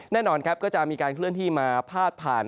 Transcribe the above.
แน่นอนครับก็จะมีการเคลื่อนที่มาพาดผ่าน